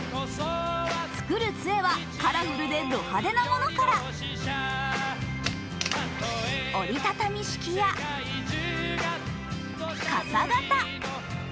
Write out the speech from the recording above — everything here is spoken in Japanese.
作るつえはカラフルでド派手なものから、折りたたみ式や傘型。